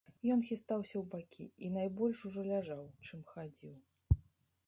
Ён хістаўся ў бакі і найбольш ужо ляжаў, чым хадзіў.